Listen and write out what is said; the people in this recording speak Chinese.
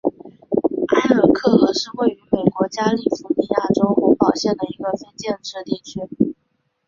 埃尔克河是位于美国加利福尼亚州洪堡县的一个非建制地区。